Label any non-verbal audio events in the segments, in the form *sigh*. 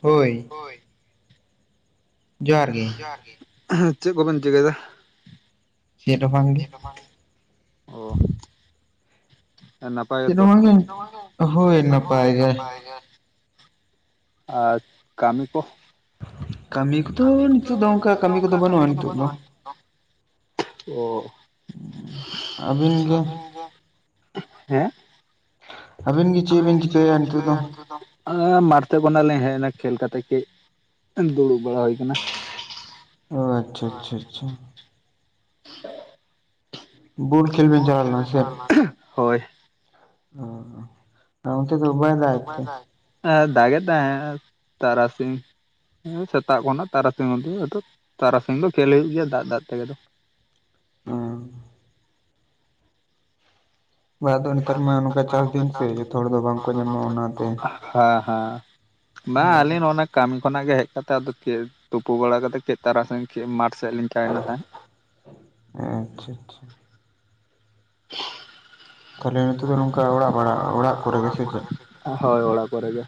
ᱦᱳᱭ, ᱡᱚᱦᱟᱨ ᱜᱮ, ᱪᱮᱫ ᱠᱚᱵᱮᱱ ᱪᱤᱠᱟᱹᱭ ᱫᱟ? ᱚᱻ ᱱᱟᱯᱟᱭ ᱜᱮᱛᱚ? ᱦᱳᱭ ᱱᱟᱯᱟᱭ ᱜᱮ, ᱟᱨ ᱠᱟᱹᱢᱤ ᱠᱚ? ᱠᱟᱹᱢᱤ ᱠᱚᱫᱚ ᱱᱤᱛᱚᱜ ᱫᱚ ᱚᱱᱠᱟ ᱠᱟᱹᱢᱤ ᱠᱚᱫᱚ ᱵᱟᱹᱱᱩᱜᱼᱟ ᱱᱤᱛᱳ ᱫᱚ। ᱚ ᱟᱵᱮᱱ ᱜᱮ ᱦᱮᱸ? ᱟᱵᱤᱱ ᱜᱮ ᱪᱮᱫ ᱵᱤᱱ ᱪᱤᱠᱟᱹᱭ ᱫᱟ ᱱᱤᱛᱚᱜ ᱫᱚ? ᱢᱟᱴᱷ ᱥᱮᱪ ᱠᱷᱚᱱᱟᱜ ᱞᱤᱧ ᱦᱮᱡ ᱮᱱᱟ ᱠᱷᱮᱞ ᱠᱟᱛᱮ, ᱠᱟᱹᱡ ᱫᱩᱲᱩᱵ ᱵᱟᱲᱟ ᱦᱩᱭ ᱟᱠᱟᱱᱟ ᱚ ᱟᱪᱪᱷᱟ, ᱟᱪᱪᱷᱟ, ᱟᱪᱪᱷᱟ। *inaudible* ᱵᱩᱞ ᱠᱷᱮᱞ ᱵᱮᱱ ᱪᱟᱞᱟᱣ ᱞᱮᱱᱟ ᱥᱮ ᱪᱮᱫ? ᱦᱳᱭ। ᱚ ᱚᱱᱛᱮ ᱫᱚ ᱵᱟᱭ ᱫᱟᱜ ᱮᱫ ᱛᱮ? ᱮᱻᱜ ᱫᱟᱜᱮ ᱛᱟᱦᱮᱸ ᱛᱟᱨᱟᱥᱤᱧ ᱦᱮᱸ ᱥᱮᱛᱟᱜ ᱠᱷᱚᱱᱟᱜ ᱛᱟᱨᱟᱥᱤᱧ ᱦᱟᱵᱤ ᱟᱫᱚ ᱛᱟᱨᱟᱥᱤᱧ ᱫᱚ ᱠᱷᱮᱞ ᱦᱩᱭᱩᱜ ᱜᱮᱭᱟ ᱫᱟᱜ ᱫᱟᱜ ᱛᱮᱜᱮ ᱫᱚ। ᱵᱟ ᱟᱫᱚ ᱱᱮᱛᱟᱨ ᱢᱟ ᱱᱚᱝᱠᱟ ᱪᱟᱥ ᱫᱤᱱ ᱥᱮ ᱡᱚᱛᱚ ᱦᱚᱲ ᱫᱚ ᱵᱟᱝᱠᱚ ᱧᱟᱢᱚᱜ ᱚᱱᱟ ᱛᱮ᱾ ᱦᱮᱸ ᱦᱟᱸ ᱵᱟᱸ ᱟᱹᱞᱤᱧ ᱟᱨ ᱚᱱᱟᱼᱼ ᱠᱟᱢᱤ ᱠᱷᱚᱱᱟᱜ ᱜᱮ ᱦᱮᱡ ᱠᱟᱛᱮᱜ ᱟᱫᱚ ‌ᱛᱤᱨᱮ ᱛᱩᱯᱩ ᱵᱟᱲᱟ ᱠᱟᱛᱮᱜ ᱪᱮᱫ ᱛᱟᱨᱟ ᱥᱤᱧ ᱪᱮᱜ ᱢᱟᱴᱷ ᱥᱮᱜ ᱞᱤᱧ ᱛᱟᱭᱱᱟ ᱛᱟᱦᱮᱸᱜ᱾ ᱟᱸᱪᱪᱷᱟ ᱟᱪᱷᱟ᱾ *unintelligible* ᱛᱟ ᱦᱚᱞᱮ ᱱᱤᱛᱚᱜ ᱫᱚ ᱱᱚᱝᱠᱟ ᱚᱲᱟᱜ ᱵᱟᱲᱟ ᱚᱲᱟᱜ ᱠᱚᱨᱮ ᱜᱮ ᱥᱮ ᱪᱮᱜ? ᱦᱳᱭ ᱚᱲᱟᱜ ᱠᱚᱨᱮ ᱜᱮ᱾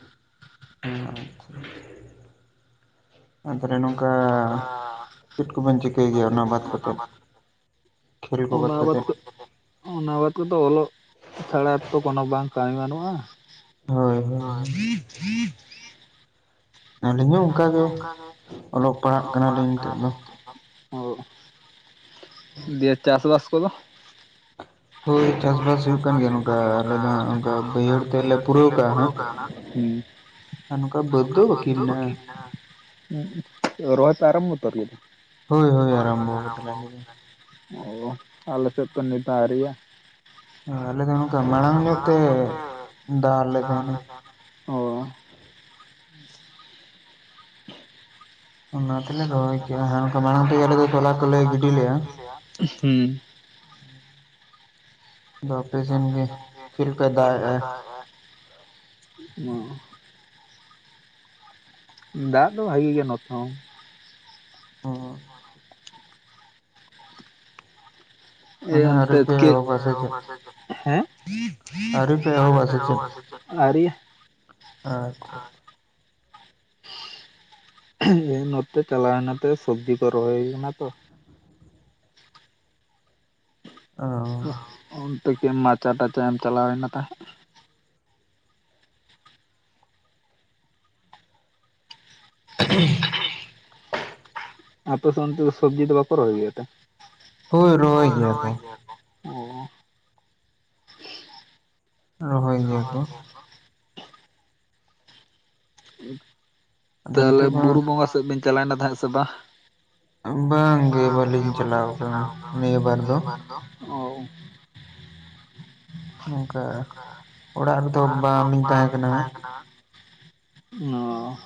ᱟᱸ ᱟᱪ-ᱪᱷᱟ ᱟᱪ-ᱪᱷᱟ ᱾ ᱟᱨ ᱛᱟᱞᱦᱮ ᱱᱚᱝᱠᱟ ᱪᱮᱫ ᱠᱚᱵᱮᱱ ᱪᱤᱠᱟᱹᱭ ᱜᱮᱭᱟ ᱚᱱᱟ ᱵᱟᱫᱽ ᱠᱟᱛᱮᱫ? ᱠᱷᱮᱹᱞ ᱠᱚ ᱵᱟᱫᱽ ᱠᱟᱛᱮᱫ? ᱚ-ᱱᱟ ᱵᱟᱫᱽ ᱛᱮᱫᱚ ᱚᱞᱚᱜ ᱪᱷᱟᱲᱟ ᱛᱚ ᱠᱚᱱᱚ ᱵᱟᱝ ᱠᱟᱭᱮᱢ ᱜᱟᱱᱚᱜ-ᱟ᱾ ᱦᱚᱭ -ᱦᱚᱭ- ᱦᱚᱭ᱾ ᱟᱹᱞᱤᱧ ᱦᱚᱸ ᱚᱱᱠᱟ ᱜᱮ ᱚᱞᱚᱜ ᱯᱟᱲᱦᱟᱜ ᱠᱟᱱᱟ ᱞᱤᱧ ᱱᱤᱛᱳᱜ ᱫᱚ᱾ ᱳᱜ, ᱫᱤᱭᱮᱹ ᱪᱟᱥ ᱵᱟᱥ ᱠᱚᱫᱚ? ᱦᱳᱭ ᱪᱟᱥᱼᱵᱟᱥ ᱦᱩᱭᱩᱜ ᱠᱟᱱ ᱜᱮᱭᱟ ᱱᱚᱝᱠᱟ ᱟᱞᱮ ᱫᱚ ᱦᱟᱸᱜ ᱚᱱᱠᱟ ᱵᱟᱹᱭᱦᱟᱹᱲ ᱛᱮᱜ ᱞᱮ ᱯᱩᱨᱟᱹᱣ ᱠᱟᱜ-ᱟ ᱦᱟᱸᱜ ᱾ ᱦᱩᱸ᱾ ᱟᱨ ᱱᱚᱝᱠᱟ ᱵᱟᱹᱫᱽ ᱫᱚ ᱵᱟᱹᱠᱤ ᱢᱮᱱᱟᱜ-ᱟ᱾ ᱟᱸᱻ ᱩᱸᱜ ᱮ ᱨᱚᱦᱚᱭ ᱯᱮ ᱟᱨᱟᱢᱵᱚ ᱩᱛᱟᱹᱨ ᱠᱮᱫᱟ? ᱦᱳᱭ -ᱦᱳᱭ, ᱟᱨᱟᱢᱵᱚᱣ ᱠᱟᱫᱟ ᱞᱮ ᱟᱞᱮ ᱫᱚ᱾ ᱚᱻ ᱳᱦ ᱟᱞᱮ ᱥᱮᱜ ᱛᱚ ᱱᱤᱛᱚ ᱟᱣᱨᱤ ᱭᱟ᱾ ᱟᱞᱮ ᱫᱚ ᱱᱚᱝᱠᱟ ᱢᱟᱬᱟᱝ ᱧᱚᱜ ᱛᱮ ᱫᱟ ᱞᱮᱫᱟᱭ-ᱱᱟ ᱾ ᱚᱻ᱾ ᱚᱱᱟ ᱛᱮᱞᱮ ᱨᱚᱦᱚᱭ ᱠᱮᱜ-ᱟ, ᱦᱮᱸ ᱚᱱᱠᱟ‌ ᱢᱟᱬᱟᱝ ᱛᱮ ᱜᱮ ᱟᱞᱮ ᱫᱚ ᱛᱚᱞᱟ ᱠᱚᱞᱮ ᱜᱤᱰᱤ ᱞᱮᱜ-ᱟ᱾ ᱦᱩ ᱾ ᱛᱚ ᱟᱯᱮ ᱥᱮᱱ ᱜᱮ ᱪᱮᱫ ᱞᱮᱠᱟᱭ ᱫᱟᱜ ᱮᱜ-ᱟ? ᱢᱟᱻ ᱾ ᱫᱟᱜ ᱫᱚ ᱵᱷᱟᱜᱮᱹ ᱜᱮ ᱱᱚᱛᱮ ‌ᱦᱚᱸ᱾ ᱚᱸ ᱦᱚᱸᱜ, ᱟᱪ-ᱪᱷᱟ ᱾ ᱮᱻ ᱚᱱ ᱛᱮᱫ ᱠᱤ‌ᱫ, ᱟᱣᱨᱤ‌ ᱯᱮ ᱮᱦᱚᱵᱟ ᱥᱮ ᱪᱮᱫ? ᱦᱮᱸᱦ, ᱟᱹᱣᱨᱤ ᱯᱮ ᱮᱦᱚᱵᱟ ᱥᱮ ᱪᱮᱫ? ᱟᱣᱨᱤᱭᱟ᱾ ᱟᱪᱷᱟ ᱾ ᱴᱷᱚᱜ-ᱴᱷᱚᱜ ᱪᱷᱮᱻᱫ ᱾ ᱷᱮᱦᱮ, ᱱᱚᱛᱮ ᱪᱟᱞᱟᱣ ᱱᱚᱛᱮ ᱥᱚᱵᱽᱡᱤ ᱠᱚ ᱨᱚᱦᱚᱭ ᱦᱩᱭ ᱠᱟᱱᱟ ᱛᱚ-ᱼ ᱚ-ᱦᱚ ᱚᱱᱛᱮ ᱠᱮ ᱢᱟᱪᱟ ᱴᱟᱪᱟ ᱮᱢ ᱪᱟᱞᱟᱣ ᱱᱟ ᱛᱟᱦᱮᱜ ᱩᱜ-ᱷᱩᱦᱚᱦ ᱾ ᱟᱨ ᱛᱚ ᱥᱚᱱᱛᱮ ᱫᱚ ᱥᱚᱵᱽᱡᱤ ᱫᱚ ᱵᱟᱠᱚ ᱨᱚᱦᱚᱭ ᱜᱮᱭᱟ ᱛᱮ? ᱦᱳᱭ, ᱨᱚᱦᱚᱭ ᱜᱮᱭᱟ ᱠᱚ ᱾ ᱚᱸᱻ ᱾ ᱨᱚᱦᱚᱭ ᱜᱮᱭᱟ ᱠᱚ᱾ ᱥ-ᱩ-ᱵ, ᱛᱟᱦᱞᱮ ᱵᱩᱨᱩ ᱵᱚᱸᱜᱟ ᱥᱮᱜ ᱵᱮᱱ ᱪᱟᱞᱟᱭ ᱱᱟ ᱛᱟᱦᱮᱸᱜ ᱥᱮ ᱵᱟᱦ? ᱵᱟᱝ ᱜᱮ ᱵᱟᱹᱞᱤᱧ ᱪᱟᱞᱟᱣ ᱠᱟᱱᱟ ᱱᱤᱭᱟᱹ ᱵᱟᱨ ᱫᱚ ᱾ ᱚᱣ ᱾ ᱱᱚᱝᱠᱟ ᱚᱲᱟᱜ ᱨᱮᱫᱚ ᱵᱟᱝ ᱞᱤᱧ ᱛᱟᱦᱮᱸ ᱠᱟᱱᱟ ᱦᱟᱸᱜ ᱾ ᱟᱸᱜ ᱾ ᱱᱚ-ᱚᱸᱻ᱾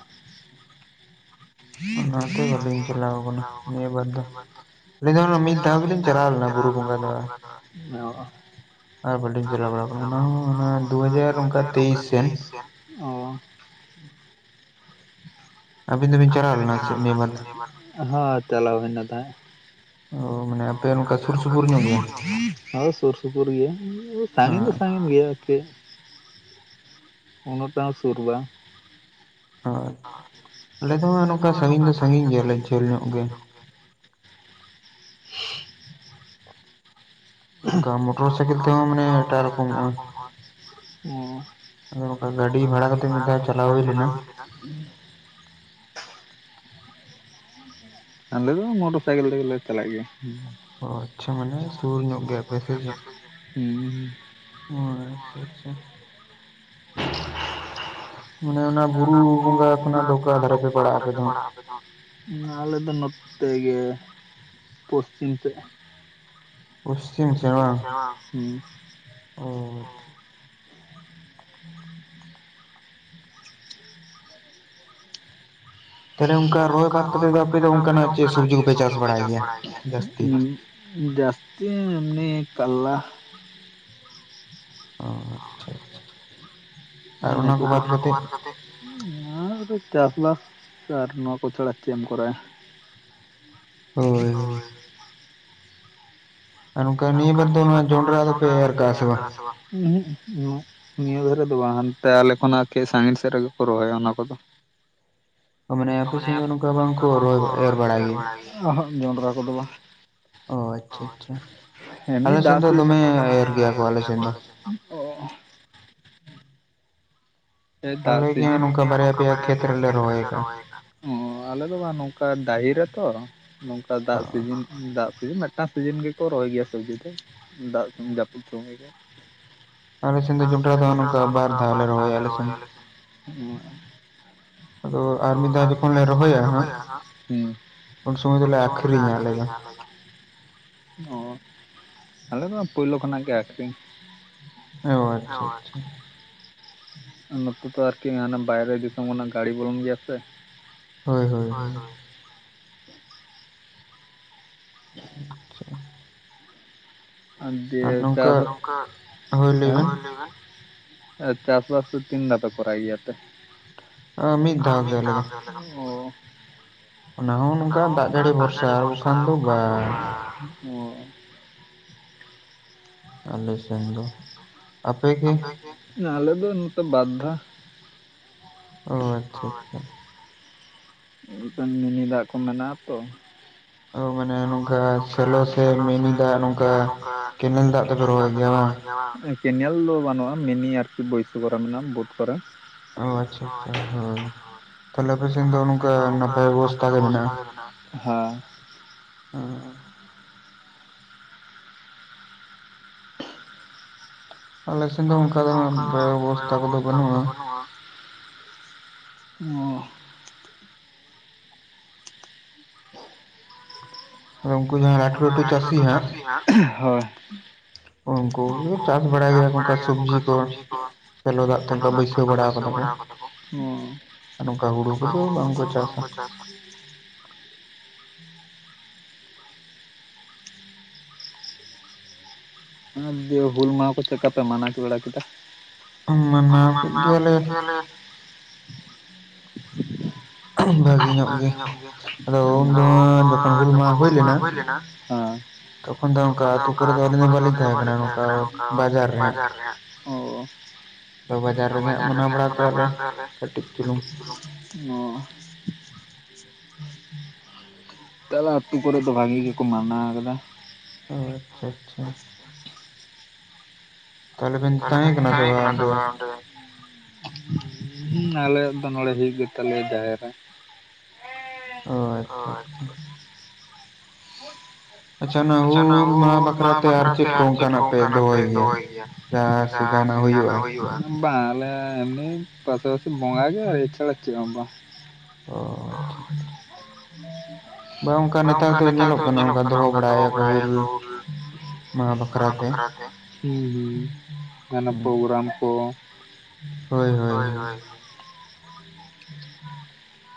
ᱚᱱᱟ ᱛᱮ ᱵᱟᱞᱤᱧ‌ ᱪᱟᱞᱟᱣ‌ ᱠᱟᱱᱟ ᱱᱤᱭᱟᱹ ᱵᱟᱨ ᱫᱚ ᱞᱟᱹᱭ ᱫᱟᱞᱤᱧ‌ ᱢᱤᱫ ᱫᱷᱟᱣ ᱜᱤ‌ᱞᱤᱧ‌ ᱪᱟᱞᱟᱣ ᱞᱮᱱᱟ ᱵᱚᱼᱼ ᱵᱩᱨᱩ ᱵᱚᱸᱜᱟ ᱫᱚ ᱟᱨ ‌‌ᱠᱤ, ᱱᱮ ᱦᱚᱲ ᱦᱚᱸ ᱾ ᱟᱨ ᱵᱟᱹᱞᱤᱧ ᱪᱟᱞᱟᱣ ᱵᱟᱲᱟᱣ ᱠᱟᱱᱟ ᱚᱱᱟ ᱦᱚᱸ ᱚᱱᱟ ᱫᱩ ᱦᱟᱡᱟᱨ ᱚᱱᱠᱟ ᱛᱮᱭᱤᱥ ᱥᱮᱱ᱾ ᱚᱻ᱾ ᱟᱵᱤᱱ ᱫᱩᱵᱤᱱ ᱪᱟᱞᱟᱣ ᱞᱮᱱᱟ ᱛᱮ ᱱᱤᱭᱟᱹ ᱵᱟᱨ ᱫᱚ, ᱦᱚᱭ ᱪᱟᱞᱟᱣ ᱦᱳᱭ ᱱᱟ ᱛᱟᱦᱮᱸᱜ ᱾ ᱟᱹᱣ-ᱢᱮ ᱾ ᱚᱻ ᱟᱯᱮ ᱚᱱᱠᱟ ᱥᱩᱨ ᱥᱩᱯᱩᱨ ᱧᱚᱜ ᱜᱮᱭᱟ? ᱦᱚᱭ ᱥᱩᱨ ᱥᱩᱯᱩᱨ ᱜᱮᱭᱟ ᱾ ᱥᱟᱺᱜᱤᱧ ᱫᱚ ᱥᱟᱺᱜᱤᱧ ᱜᱮᱭᱟ ᱟᱨᱠᱤ ᱩᱱᱟᱹᱜ ᱴᱟ ᱦᱚᱸ ᱥᱩᱨ ᱵᱟᱝ ᱾ ᱟᱪᱷᱟ ᱟᱞᱮ ᱫᱚ ᱦᱚᱸᱜ ᱱᱚᱝᱠᱟ ᱥᱟᱺᱜᱤᱧ ᱫᱚ ᱥᱟᱺᱜᱤᱧ ᱜᱮᱭᱟᱞᱮ ᱡᱷᱟᱹᱞ ᱧᱚᱜ ᱜᱮ ᱾ *inaudible* ᱛᱚ ᱢᱚᱴᱚᱨ ᱥᱟᱭᱠᱮᱞ ᱛᱮᱦᱚᱸ ᱢᱟᱱᱮ ᱮᱴᱟᱜ ᱨᱚᱠᱚᱢ *unintelligible* ᱾ ᱚᱻ ᱟᱫᱚ ᱱᱚᱠᱟ ᱜᱟᱹᱰᱤ ᱵᱷᱟᱲᱟ ᱠᱟᱛᱮᱜ ᱢᱤᱫ ᱫᱷᱟᱣ ᱪᱟᱞᱟᱣ ᱦᱩᱭ ᱞᱮᱱᱟ ᱾ ᱟᱨ ᱾ ᱟᱞᱮ ᱫᱚ ᱢᱚᱴᱚᱨ ᱥᱟᱭᱠᱮᱞ ᱛᱮᱜᱮᱞᱮ ᱪᱟᱞᱟᱜ ᱜᱮᱭᱟ ᱾ ᱚᱻ ᱟᱪᱷᱟ ᱢᱟᱱᱮ ᱥᱩᱨ ᱧᱚᱜ ᱜᱮᱭᱟ ᱯᱮ ᱥᱮ ᱪᱮᱫ? ᱚᱻ ᱟᱪᱷᱟ ᱟᱪᱷᱟ ᱾ ᱢᱟᱱᱮ ᱚᱱᱟ ᱵᱩᱨᱩ ᱵᱚᱸᱜᱟ ᱠᱷᱚᱱᱟᱜ ᱫᱚ ᱚᱠᱟ ᱫᱷᱟᱨᱮ ᱯᱮ ᱯᱟᱲᱟᱜᱼᱟ ᱟᱯᱮ ᱫᱚ ᱦᱟᱸᱜ? ᱟᱞᱮ ᱫᱚ ᱱᱚᱛᱮ ᱜᱮ ᱯᱚᱥᱪᱤᱢ ᱥᱮᱫ ᱾ ᱯᱚᱥᱪᱤᱢ ᱥᱮᱫ ᱵᱟᱝ, ᱚᱻ ᱟᱪᱷᱟ ᱾ ᱛᱟᱦᱚᱞᱮ ᱚᱱᱠᱟ ᱨᱚᱦᱚᱭ ᱵᱟᱫ ᱠᱟᱛᱮ ᱫᱚ ᱟᱯᱮ ᱫᱚ ᱚᱱᱠᱟᱱᱟᱜ ᱪᱮᱫ ᱥᱚᱵᱡᱤ ᱠᱚᱯᱮ ᱪᱟᱥ ᱵᱟᱲᱟᱭ ᱜᱮᱭᱟ? ᱡᱟᱹᱥᱛᱤ ᱮᱢᱱᱤ ᱠᱟᱨᱞᱟ ᱚᱻ ᱟᱪᱪᱷᱟ ᱟᱪᱪᱷᱟ᱾ ᱟᱨ ᱚᱱᱟ ᱠᱚ ᱵᱟᱫ ᱠᱟᱛᱮᱫ? ᱟᱨ ᱫᱚ ᱪᱟᱥᱵᱟᱥ ᱟᱨ ᱱᱚᱣᱟ ᱠᱚ ᱪᱷᱟᱰᱟ ᱪᱮᱫ ᱮᱢ ᱠᱚᱨᱟᱣᱟ ᱾ ᱦᱳᱭ ᱦᱳᱭ ᱾ ᱟᱨ ᱱᱚᱝᱠᱟ ᱱᱤᱭᱟᱹ ᱵᱟᱨ ᱫᱚ ᱱᱚᱣᱟ ᱡᱚᱱᱰᱨᱟ ᱫᱚ ᱯᱮ ᱮᱨ ᱟᱠᱟᱜ-ᱟ ᱥᱮ ᱵᱟᱝ? ᱱᱤᱭᱟᱹ ᱫᱷᱟᱨᱮ ᱫᱚ ᱵᱟᱝ ᱦᱟᱱᱛᱮ ᱟᱞᱮ ᱠᱷᱚᱱᱟᱜ ᱥᱟᱺᱜᱤᱧ ᱥᱮᱫ ᱨᱮᱜᱮ ᱠᱚ ᱨᱚᱦᱚᱭᱟ ᱚᱱᱟ ᱠᱚᱫᱚ ᱾ ᱢᱟᱱᱮ ᱟᱯᱮ ᱥᱮᱱ ᱫᱚ ᱱᱚᱝᱠᱟ ᱵᱟᱝᱠᱚ ᱮᱨ ᱵᱟᱲᱟᱭ ᱜᱮᱭᱟ? ᱚᱦᱚᱸᱜ ᱡᱚᱱᱰᱨᱟ ᱠᱚᱫᱚ ᱵᱟᱝ ᱾ ᱦᱚᱭ ᱮᱢᱱᱤ ᱫᱟᱜ ᱥᱤᱫ᱾ ᱟᱞᱮ ᱥᱮᱱ ᱫᱚ ᱫᱚᱢᱮ ᱮᱨ ᱜᱮᱭᱟ ᱠᱚ ᱟᱞᱮ ᱥᱮᱱ ᱫᱚ ᱾ ᱚᱻ ᱦᱮ ᱫᱟᱜ ᱥᱤᱡᱤᱱ, ᱟᱞᱮᱜᱮ ᱦᱟᱸᱜ ᱱᱚᱝᱠᱟᱱ ᱵᱟᱨᱭᱟ ᱯᱮᱭᱟ ᱠᱷᱮᱛ ᱨᱮ ᱞᱮ ᱨᱦᱚᱭ ᱟᱠᱟᱜᱟ ᱾ ᱚᱻ ᱟᱞᱮ ᱫᱚ ᱵᱟᱝ ᱱᱚᱝᱠᱟ ᱰᱟᱦᱤ ᱨᱮ ᱛᱚ ᱱᱚᱝᱠᱟ ᱫᱟᱜ ᱥᱤᱡᱤᱱ ᱫᱟᱜ ᱥᱤᱡᱤᱱ ᱢᱤᱫᱴᱟᱝ ᱥᱤᱡᱤᱱ ᱜᱮᱠᱚ ᱨᱚᱦᱚᱭ ᱜᱮᱭᱟ ᱥᱚᱵᱡᱤ ᱫᱚ ᱫᱟᱜ ᱡᱟᱹᱯᱩᱫ ᱥᱚᱢᱚᱭ ᱜᱮ ᱾ ᱟᱞᱮ ᱥᱮᱱ ᱫᱚ ᱡᱚᱱᱰᱨᱟ ᱫᱚ ᱦᱟᱜ ᱱᱚᱝᱠᱟ ᱵᱟᱨ ᱫᱷᱟᱣ ᱞᱮ ᱨᱚᱦᱚᱭ-ᱟ ᱾ ᱨᱚᱦᱚᱭᱟᱞᱮ ᱦᱩᱸ ᱾ ᱟᱫᱚ ᱟᱨ ᱢᱤᱫ ᱫᱷᱟᱣ ᱡᱚᱠᱷᱚᱱ ᱞᱮ ᱨᱚᱦᱚᱭᱟ ᱦᱟᱸᱜ? ᱦᱩᱸ ᱾ ᱩᱱᱥᱚᱢᱚᱭ ᱫᱚᱞᱮ ᱟᱠᱷᱨᱤᱧ-ᱟ ᱟᱞᱮ ᱫᱚ ᱾ ᱚᱻ ᱟᱞᱮ ᱫᱚ ᱯᱳᱭᱞᱳ ᱠᱷᱚᱱᱟᱜ ᱜᱮ ᱟᱹᱠᱷᱨᱤᱧ ᱾ ᱚᱻ ᱟᱪᱪᱷᱟ ᱟᱪᱪᱷᱟ ᱾ ᱱᱚᱛᱮ ᱫᱚ ᱟᱨᱠᱤ ᱢᱟᱱᱮ ᱵᱟᱭᱨᱮ ᱫᱤᱥᱚᱢ ᱠᱷᱚᱱᱟᱜ ᱜᱟᱹᱲᱤ ᱵᱚᱞᱚᱱ ᱜᱮᱭᱟ ᱥᱮ ᱾ ᱦᱳᱭ ᱦᱳᱭ ᱦᱳᱭ ᱾ ᱟᱪᱷᱟ ᱾ ᱟᱨ ᱫᱤᱭᱮ ᱪᱟᱥ, ᱱᱚᱝᱠᱟ ᱦᱮᱸ ᱦᱚᱭ ᱞᱟᱹᱭ ᱵᱮᱱ ᱾ ᱮᱻ ᱪᱟᱥ ᱵᱟᱥ ᱫᱚ ᱛᱤᱱ ᱫᱦᱟᱣ ᱯᱮ ᱠᱚᱨᱟᱭ ᱜᱮᱭᱟ ᱯᱮ? ᱟᱻ ᱢᱤᱫ ᱫᱦᱟᱣ ᱜᱮ ᱾ ᱚᱻ ᱚᱱᱟ ᱦᱚᱸ ᱱᱚᱝᱠᱟ ᱫᱟᱜ ᱡᱟᱹᱲᱤ ᱵᱷᱚᱨᱥᱟ ᱟᱨ ᱵᱟᱠᱷᱟᱱ ᱫᱚ ᱵᱟᱝ ᱾ ᱚᱻ ᱟᱞᱮ ᱥᱮᱱ ᱫᱚ, ᱟᱯᱮᱜᱮ? ᱟᱞᱮ ᱫᱚ ᱱᱚᱛᱮ ᱵᱟᱨᱫᱷᱟᱣ ᱾ ᱚᱻ ᱟᱪᱪᱷᱟ ᱟᱪᱪᱷᱟ ᱾ ᱢᱤᱫᱴᱟᱝ ᱢᱤᱱᱤ ᱫᱟᱜ ᱠᱚ ᱢᱮᱱᱟᱜᱼᱟ ᱛᱚ ᱾ ᱢᱟᱱᱮ ᱱᱚᱝᱠᱟ ᱥᱮᱞᱚ ᱥᱮ ᱢᱮᱱᱤ ᱫᱟᱜ ᱱᱚᱝᱠᱟ ᱠᱮᱱ ᱠᱮᱱᱮᱞ ᱫᱟᱜ ᱛᱮ ᱯᱮ ᱨᱚᱦᱚᱭ ᱜᱮᱭᱟ ᱵᱟᱝ? ᱠᱮᱱᱮᱞ ᱫᱚ ᱵᱟᱹᱱᱩᱜᱼᱟ, ᱢᱤᱱᱤ ᱟᱨᱠᱤ ᱵᱟᱹᱭᱥᱟᱹ ᱠᱚᱨᱟ ᱢᱮᱱᱟᱜᱼᱟ ᱵᱳᱫ ᱠᱚᱨᱮ ᱾ ᱚ ᱟᱪᱷᱟ ᱚ ᱛᱟᱦᱚᱞᱮ ᱟᱯᱮ ᱥᱮᱱ ᱫᱚ ᱱᱚᱠᱟ ᱱᱟᱯᱭ ᱵᱮᱵᱚᱥᱛᱷᱟ ᱜᱮ ᱢᱮᱱᱟᱜ-ᱟ᱾ ᱦᱟ ᱾ *inaudible* *inaudible* *inaudible* ᱟᱞᱮ ᱥᱮᱱ ᱫᱚ ᱚᱱᱠᱟ ᱫᱚ ᱦᱟᱸᱜ ᱵᱮᱵᱚᱥᱛᱟ ᱠᱚᱫᱚ ᱵᱟᱹᱱᱩᱜᱼᱟ᱾ ᱚᱻ *inaudible* *inaudible* ᱦᱳᱭ ᱾ ᱩᱱᱠᱩ ᱜᱮ ᱪᱟᱥ ᱵᱟᱲᱟᱭ ᱜᱮᱭᱟ ᱚᱱᱠᱟ ᱥᱚᱵᱡᱤ ᱠᱚ ᱥᱮᱞᱚ ᱫᱟᱜ ᱛᱮ ᱚᱱᱠᱟ ᱵᱟᱹᱭᱥᱟᱹᱣ ᱵᱟᱲᱟ ᱠᱟᱫᱟ ᱠᱚ᱾ ᱟᱨ ᱚᱱᱠᱟ ᱦᱩᱲᱩ ᱠᱚᱫᱚ ᱵᱟᱝ ᱠᱚ ᱪᱟᱥᱼᱟ᱾ *inaudible* *inaudible* ᱦᱩᱞ ᱢᱟᱦᱟ ᱠᱚ ᱪᱮᱫ ᱞᱮᱠᱟᱯᱮ ᱢᱟᱱᱟ ᱵᱟᱲᱟ ᱠᱮᱫᱟ? ᱢᱟᱱᱟᱣ ᱠᱮᱫ ᱜᱮᱭᱟ ᱞᱮ ᱵᱷᱟᱹᱜᱤ ᱧᱚᱜ ᱜᱮ, ᱟᱫᱚ ᱩᱱᱫᱚ ᱦᱟᱸᱜ ᱡᱚᱠᱷᱚᱱ ᱦᱩᱞ ᱢᱟᱦᱟ ᱦᱳᱭ ᱞᱮᱱᱟ ᱛᱚᱠᱷᱚᱱ ᱫᱚ ᱚᱱᱠᱟ ᱟᱹᱛᱩ ᱠᱚᱨᱮ ᱫᱚ ᱟᱹᱞᱤᱧ ᱫᱚ ᱵᱟᱹᱞᱤᱧ ᱛᱟᱦᱮ ᱠᱟᱱᱟ, ᱚᱱᱠᱟ ᱵᱟᱡᱟᱨ ᱨᱮ ᱦᱟᱸᱜ᱾ᱳᱻ ᱟᱫᱚ ᱵᱟᱡᱟᱨ ᱨᱮᱜᱮ ᱦᱟᱸᱜ ᱢᱟᱱᱟᱣ ᱵᱟᱲᱟ ᱠᱮᱫᱟ ᱞᱮ ᱠᱟᱹᱴᱤᱡ ᱪᱩᱞᱩᱝ᱾ *inaudible* ᱛᱟᱦᱚᱞᱮ ᱟᱹᱛᱩ ᱠᱚᱨᱮᱫ ᱫᱚ ᱵᱷᱟᱜᱤ ᱜᱮᱠᱚ ᱢᱟᱱᱟᱣ ᱠᱟᱫᱟ᱾ ᱚᱻ ᱟᱪᱪᱷᱟ ᱟᱪᱪᱷᱟ ᱛᱟᱦᱚᱞᱮ ᱵᱤᱱ ᱛᱟᱦᱮᱸ ᱠᱟᱱᱟ ᱥᱮ ᱵᱟᱝ ᱚᱸᱰᱮ? ᱟᱞᱮᱭᱟᱜ ᱫᱚ ᱱᱚᱰᱮ ᱦᱩᱭᱩᱜ ᱜᱮᱛᱟ ᱞᱮᱭᱟ ᱱᱚᱰᱮ ᱡᱟᱦᱮᱨ ᱨᱮ᱾ ᱳᱻ ᱟᱪᱪᱷᱟ ᱟᱪᱪᱷᱟ *unintelligible* ᱟᱪᱪᱷᱟ ᱚᱱᱟ ᱦᱩᱻᱞ ᱢᱟᱦᱟᱸ ᱵᱟᱠᱷᱨᱟ ᱛᱮ ᱟᱨ ᱪᱮᱫ ᱠᱚ ᱚᱱᱠᱟᱱᱟᱜ ᱯᱮ ᱫᱚᱦᱚᱭ ᱜᱮᱭᱟ? ᱡᱟᱦᱟᱸ ᱥᱮᱫ ᱡᱟᱦᱟᱱᱟᱜ ᱦᱩᱭᱩᱜᱼᱟ? ᱵᱟᱝ ᱟᱞᱮ ᱮᱢᱱᱤ ᱯᱟᱥᱟ ᱯᱟᱥᱤ ᱵᱚᱸᱜᱟ ᱜᱮ *inaudible* ᱪᱷᱟᱲᱟ ᱪᱮᱫ ᱦᱚᱸ ᱵᱟᱝ᱾ ᱚᱻ ᱟᱪᱪᱷᱟ ᱟᱪᱪᱷᱟ ᱵᱟᱝ ᱚᱱᱠᱟ ᱱᱮᱛᱟᱨ ᱫᱚ ᱧᱮᱞᱚᱜ ᱠᱟᱱᱟ ᱚᱱᱠᱟ ᱫᱚᱦᱚ ᱵᱟᱲᱟᱭ ᱟᱠᱚ᱾ ᱵᱟᱠᱷᱨᱟ ᱛᱮ ᱦᱩᱸ ᱦᱩᱸ ᱚᱱᱟ ᱯᱨᱳᱜᱨᱟᱢ ᱠᱚ ᱦᱳᱭ ᱦᱳᱭ ᱦᱳᱭ *inaudible*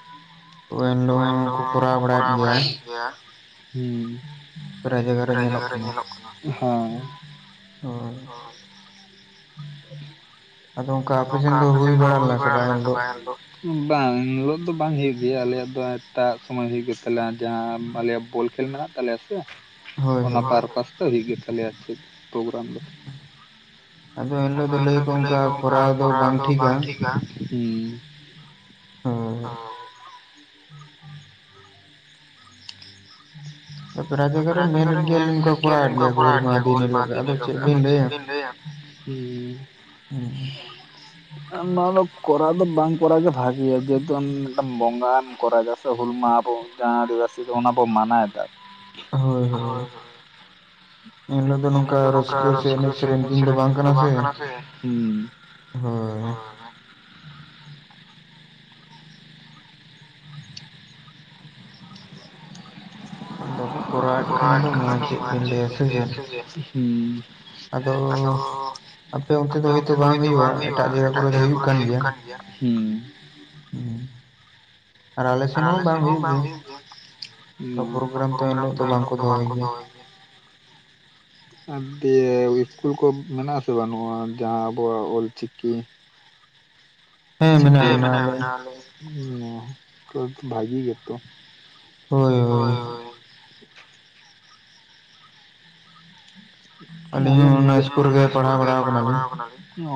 ᱦᱳᱭ ᱱᱚᱣᱟ ᱦᱚᱸᱠᱚ ᱠᱚᱨᱟᱣ ᱵᱟᱲᱟᱭᱮᱫ ᱜᱮᱭᱟ᱾ ᱦᱩᱸ ᱯᱨᱟᱭ ᱡᱟᱭᱜᱟ ᱨᱮ ᱧᱮᱞᱚᱜ ᱠᱟᱱᱟ᱾ ᱦᱚᱸ ᱦᱳᱭ ᱟᱫᱚ ᱚᱱᱠᱟ ᱟᱯᱮ ᱥᱮᱱ ᱫᱚ ᱦᱩᱭ ᱵᱟᱲᱟ ᱞᱮᱱᱟ ᱥᱮ ᱵᱟᱝ ᱤᱱ ᱦᱤᱞᱚᱜ? ᱵᱟᱝ ᱮᱱ ᱦᱤᱞᱳᱜ ᱫᱚ ᱵᱟᱝ ᱦᱩᱭᱩᱜ ᱜᱮᱭᱟ ᱟᱞᱮᱭᱟᱜ ᱫᱚ ᱮᱴᱟᱜ ᱥᱚᱢᱚᱭ ᱦᱩᱭᱩᱜ ᱜᱮ ᱛᱟᱞᱮᱭᱟ ᱡᱟᱦᱟᱸ ᱟᱞᱮᱭᱟᱜ ᱵᱚᱞ ᱠᱷᱮᱞ ᱢᱮᱱᱟᱜ ᱛᱟᱞᱮᱭᱟ ᱥᱮ ᱚᱱᱟ ᱯᱟᱨᱯᱟᱥ ᱛᱮ ᱦᱩᱭᱩᱜ ᱜᱮ ᱛᱟᱞᱮᱭᱟ ᱟᱨᱠᱤ ᱯᱨᱳᱜᱨᱟᱢ ᱫᱚ᱾ ᱟᱫᱚ ᱮᱱ ᱦᱤᱞᱳᱜ ᱫᱚ ᱞᱟᱹᱭ ᱟᱠᱚ ᱚᱱᱠᱟ ᱠᱚᱨᱟᱣ ᱫᱚ ᱵᱟᱝ ᱴᱷᱤᱠ-ᱟ᱾ ᱦᱳᱭ *inaudible* *inaudible* ᱯᱨᱟᱭ ᱡᱟᱭᱜᱟ ᱨᱮ ᱧᱮᱞ ᱮᱫ ᱜᱮᱭᱟ ᱞᱤᱝ ᱠᱚᱨᱟᱣ ᱮᱫ ᱜᱮᱭᱟ ᱠᱚ ᱦᱩᱞ ᱢᱟᱦᱟᱸ ᱫᱤᱱ ᱦᱤᱞᱳᱜ ᱠᱚ ᱠᱚᱨᱟᱣ ᱮᱫᱟ ᱟᱨ ᱪᱮᱫ ᱵᱤᱱ ᱞᱟᱹᱭᱼᱟ? ᱦᱩᱸ᱾ ᱩᱸ ᱱᱚᱣᱟ ᱫᱚ ᱠᱚᱨᱟᱣ ᱫᱚ ᱵᱟᱝ ᱠᱚᱨᱟᱣ ᱜᱮ ᱵᱷᱟᱜᱮᱭᱟ ᱡᱮᱦᱮᱛᱩ ᱢᱤᱫᱴᱟᱝ ᱵᱚᱸᱜᱟᱢ ᱠᱚᱨᱟᱣ ᱫᱟᱥᱮ ᱦᱩᱞ ᱢᱟᱦᱟ ᱵᱚᱱᱼᱼ ᱡᱟᱦᱟᱸ ᱟᱫᱤᱵᱟᱥᱤ ᱫᱚ ᱚᱱᱟ ᱵᱚ ᱢᱟᱱᱟᱣ ᱫᱟ ᱦᱳᱭ ᱦᱳᱭ᱾ ᱮᱱᱦᱤᱞᱳᱜ ᱫᱚ ᱱᱚᱝᱠᱟ ᱨᱟᱹᱥᱠᱟᱹ ᱥᱮ ᱮᱱᱮᱡ ᱥᱮᱨᱮᱧ ᱫᱤᱱ ᱫᱚ ᱵᱟᱝ ᱠᱟᱱᱟ ᱥᱮ᱾ ᱦᱩᱸ᱾ ᱠᱚᱨᱟᱣ ᱮᱫ ᱠᱷᱟᱱ ᱠᱚ ᱟᱨ ᱪᱮᱫ ᱵᱮᱱ ᱞᱟᱹᱭᱟ ᱥᱮ ᱪᱮᱫ ᱦᱩᱸ᱾ ᱟᱫᱚ ᱟᱯᱮ ᱚᱱᱛᱮ ᱫᱚ ᱦᱳᱭᱛᱚ ᱵᱟᱝ ᱦᱩᱭᱩᱜ-ᱟ ᱮᱴᱟᱜ ᱡᱟᱭᱜᱟ ᱠᱚᱨᱮ ᱫᱚ ᱦᱩᱭᱩᱜ ᱠᱟᱱ ᱜᱮᱭᱟ᱾ ᱦᱩᱸ᱾ ᱦᱩᱸ᱾ ᱟᱨ ᱟᱞᱮ ᱥᱮᱫ ᱦᱚᱸ ᱵᱟᱝ ᱦᱩᱭᱩᱜ ᱜᱮᱭᱟ᱾ ᱯᱨᱳᱜᱮᱨᱟᱢ ᱫᱚ ᱮᱱᱦᱤᱞᱳᱜ ᱫᱚ ᱵᱟᱝᱠᱚ ᱫᱚᱦᱚᱭ ᱜᱮᱭᱟ᱾ ᱫᱤᱭᱮ ᱤᱥᱠᱩᱞ ᱠᱚ ᱢᱮᱱᱟᱜ ᱟᱥᱮ ᱵᱟᱹᱱᱩᱜ-ᱟ ᱡᱟᱦᱟᱸ ᱟᱵᱚᱣᱟᱜ ᱚᱞ ᱪᱤᱠᱤ᱾ ᱪᱤᱠᱟᱹ ᱦᱮ ᱢᱮᱱᱟ ᱢᱮᱱᱟ ᱟᱞᱮ ᱵᱷᱟᱹᱜᱤ ᱜᱮᱛᱚ᱾ ᱦᱳᱭ ᱦᱳᱭ᱾ ᱟᱞᱮ ᱱᱤᱭᱟᱹ ᱚᱱᱟ ᱤᱥᱠᱩᱞ ᱨᱮᱜᱮ ᱯᱟᱲᱦᱟᱣ ᱵᱟᱲᱟᱣ ᱠᱟᱱᱟ ᱵᱤᱱ? ᱚ᱾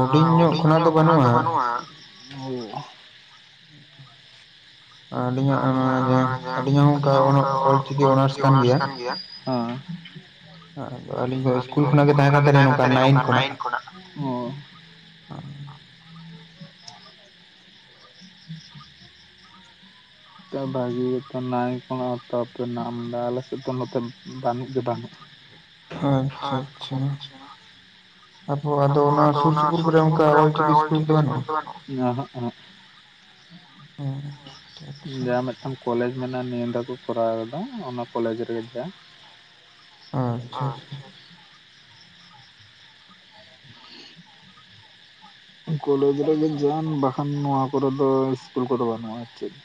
ᱚᱱᱟ ᱦᱩᱰᱤᱧ ᱧᱚᱜ ᱠᱷᱚᱱᱟᱜ ᱫᱚ ᱵᱟᱹᱱᱩᱜ-ᱟ᱾ ᱟᱹᱞᱤᱟᱜ ᱚᱱᱟ ᱡᱟᱦᱟᱸ ᱟᱹᱞᱤᱧᱟᱜ ᱚᱱᱠᱟ ᱚᱞ ᱪᱤᱠᱤ ᱚᱱᱟᱨᱥ ᱠᱟᱱ ᱜᱮᱭᱟ᱾ ᱦᱮ ᱟᱹᱞᱤᱧ ᱫᱚ ᱤᱥᱠᱩᱞ ᱠᱷᱚᱱᱟᱜ ᱜᱮ ᱛᱟᱦᱮᱸ ᱠᱟᱱ ᱛᱟᱞᱤᱧ ᱱᱚᱝᱠᱟ ᱱᱟᱭᱤᱱ ᱠᱷᱚᱱᱟᱜ᱾ ᱵᱷᱟᱜᱤ ᱜᱮᱛᱚ ᱱᱟᱭᱤᱱ ᱠᱷᱚᱱᱟᱜ *unintelligible* ᱧᱟᱢᱫᱟ ᱟᱞᱮ ᱥᱮᱫ ᱫᱚ ᱱᱚᱛᱮ ᱵᱟᱹᱱᱩᱜ ᱜᱮ ᱵᱟᱹᱱᱩᱜ᱾ ᱟᱪᱪᱷᱟ ᱟᱪᱪᱷᱟ᱾ ᱛᱟᱯᱚᱨ ᱟᱫᱚ ᱚᱱᱟ ᱥᱩᱨ ᱥᱩᱯᱩᱨ ᱠᱚᱨᱮ ᱚᱱᱠᱟ ᱚᱞ ᱪᱤᱠᱤ ᱤᱥᱠᱩᱞ ᱵᱟᱹᱱᱩᱜᱼᱟ? ᱮᱸᱦᱮᱜ ᱮᱸᱦᱮᱜ᱾ ᱩᱸ᱾ ᱡᱟᱦᱟᱸ ᱢᱤᱫᱴᱟᱱ ᱠᱚᱞᱮᱡᱽ ᱢᱮᱱᱟᱜᱼᱟ ᱱᱤᱭᱟᱹ ᱫᱟ ᱠᱚ ᱠᱚᱨᱟᱣ ᱠᱟᱫᱟ ᱚᱱᱟ ᱠᱚᱞᱮᱡᱽ ᱨᱮᱜᱮ ᱡᱟᱼᱼ ᱟᱪᱪᱷᱟ᱾ *inaudible* ᱠᱚᱞᱮᱡᱽ ᱨᱮᱜᱮᱧ ᱡᱚᱢ ᱵᱟᱠᱷᱟᱱ ᱱᱚᱣᱟ ᱠᱚᱨᱮ ᱫᱚ ᱤᱥᱠᱩᱞ ᱠᱚᱫᱚ ᱵᱟᱹᱱᱩᱜᱼᱟ ᱟᱨ ᱪᱮᱫ᱾ ᱩᱸ᱾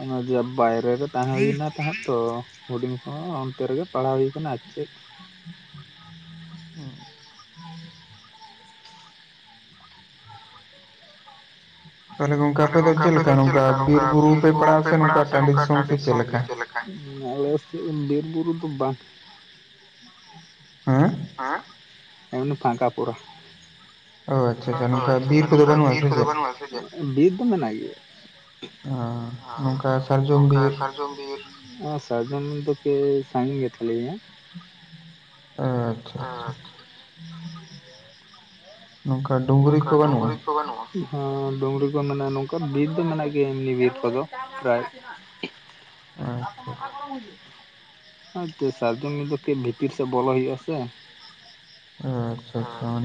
ᱚᱱᱮ ᱡᱮ ᱵᱟᱭᱨᱮ ᱨᱮ ᱛᱟᱦᱮᱸ ᱦᱩᱭᱱᱟ᱾ ᱛᱟᱦᱮᱸᱜ ᱛᱚ ᱦᱩᱰᱤᱧ ᱠᱷᱚᱱ ᱚᱱᱛᱮ ᱨᱮᱜᱮ ᱯᱟᱲᱦᱟᱣ ᱦᱩᱭ ᱠᱟᱱᱟ ᱟᱨ ᱪᱮᱫ᱾ ᱩᱸ᱾ *inaudible* ᱛᱟᱦᱚᱞᱮ ᱜᱚᱢᱠᱮ ᱟᱯᱮ ᱫᱚ ᱪᱮᱫ ᱞᱮᱠᱟ ᱱᱚᱝᱠᱟ ᱵᱤᱨ ᱵᱩᱨᱩ ᱯᱮ ᱯᱟᱲᱟᱜ-ᱟ ᱥᱮ ᱱᱚᱝᱠᱟ ᱴᱟᱹᱱᱰᱤ ᱫᱤᱥᱚᱢ ᱯᱮ ᱪᱮᱫ ᱞᱮᱠᱟ? ᱟᱞᱮ ᱥᱮᱫ ᱵᱤᱨ ᱵᱩᱨᱩ ᱫᱚ ᱵᱟᱝ᱾ ᱦᱮᱸ᱾ ᱩᱸ ᱮᱢᱱᱤ ᱯᱷᱟᱝᱠᱟ ᱯᱩᱨᱟ᱾ ᱳ ᱟᱪᱪᱷᱟ ᱟᱪᱪᱷᱟ ᱱᱚᱝᱠᱟ ᱵᱤᱨ ᱠᱚᱫᱚ ᱵᱟᱹᱱᱩᱜ ᱥᱮ ᱪᱮᱫ? ᱵᱤᱨ ᱫᱚ ᱢᱮᱱᱟᱜ ᱜᱮᱭᱟ᱾ ᱟᱻ ᱱᱚᱝᱠᱟ ᱥᱟᱨᱡᱚᱢ ᱵᱤᱨ᱾ ᱥᱟᱨᱡᱚᱢ ᱵᱤᱨ, ᱥᱟᱨᱡᱚᱢ ᱵᱤᱨ ᱫᱚ ᱠᱤ ᱥᱟᱹᱜᱤᱧ ᱜᱮ ᱛᱟᱹᱞᱤᱧᱟ᱾ *unintelligible* *unintelligible* ᱱᱚᱝᱠᱟ ᱰᱩᱝᱨᱤ ᱠᱚ ᱵᱟᱹᱱᱩᱜ-ᱟ? ᱦᱮᱸ ᱰᱩᱝᱨᱤ ᱠᱚ ᱢᱮᱱᱟᱜ-ᱟ ᱱᱚᱝᱠᱟ ᱵᱤᱨ ᱫᱚ ᱢᱮᱱᱟᱜ ᱜᱮᱭᱟ ᱮᱢᱱᱤ ᱵᱤᱨ ᱠᱚᱫᱚ ᱯᱨᱟᱭ᱾ *unintelligible* *unintelligible* ᱥᱟᱨᱡᱚᱢᱤ ᱫᱚ ᱠᱟᱹᱡ ᱵᱷᱤᱛᱤᱨ ᱥᱮᱫ ᱵᱚᱞᱚ ᱦᱩᱭᱩᱜ ᱟ ᱥᱮ᱾ *unintelligible*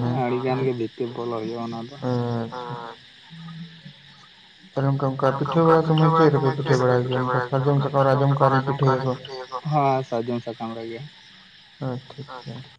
ᱯᱷᱤ ᱵᱚᱞᱚᱜ ᱦᱩᱭᱩᱜᱼᱟ ᱚᱱᱟ ᱫᱚ᱾ ᱛᱟᱦᱞᱮ ᱚᱱᱠᱟ-ᱚᱱᱠᱟ ᱯᱤᱴᱷᱟᱹ ᱵᱟᱲᱟ ᱫᱚ ᱪᱮᱫ ᱨᱮᱯᱮ ᱯᱤᱴᱷᱟᱹ ᱵᱟᱲᱟᱭ *unintelligible* ᱱᱚᱝᱱᱟ ᱥᱟᱨᱡᱚᱢ ᱥᱟᱠᱟᱢ ᱨᱮ ᱟᱡᱚᱢ ᱠᱟᱜ-ᱟ ᱞᱤᱧ ᱯᱤᱴᱷᱟᱹ ᱭᱟᱠᱚ? ᱦᱮᱸ ᱥᱟᱡᱚᱱ ᱥᱟᱠᱟᱢ ᱨᱮ ᱨᱮᱜᱮ᱾ ᱟᱪᱪᱷᱟ, ᱪᱷᱟ᱾